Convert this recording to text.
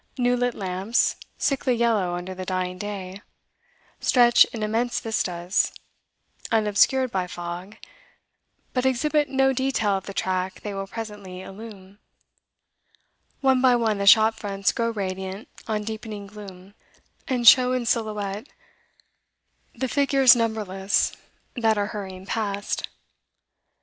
New lit lamps, sickly yellow under the dying day, stretch in immense vistas, unobscured by fog, but exhibit no detail of the track they will presently illumine; one by one the shop fronts grow radiant on deepening gloom, and show in silhouette the figures numberless that are hurrying past.